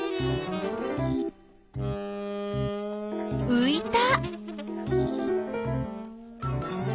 ういた！